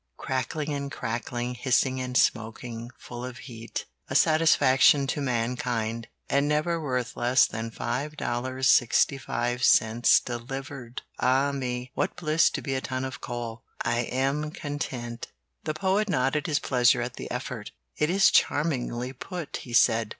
Cackling and crackling, Hissing and smoking, Full of heat, A satisfaction to mankind, And never worth less than $5.65, delivered! Ah, me! What bliss to be a ton of coal! I am content." The Poet nodded his pleasure at the effort. "It is charmingly put," he said.